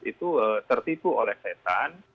itu tertipu oleh satan